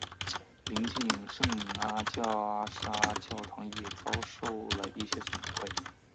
邻近的圣阿加莎教堂也遭受了一些损毁。